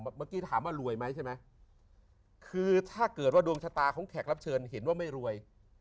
เมื่อกี้ถามว่ารวยไหมใช่ไหมคือถ้าเกิดว่าดวงชะตาของแขกรับเชิญเห็นว่าไม่รวย